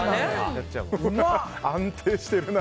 安定してるな。